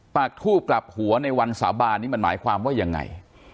ปากทูบกลับหัวในวันสาบานนี่มันหมายความว่ายังไง